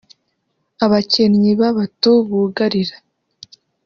Abakinnyi babatu bugarira